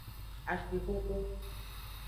Akpexoxo.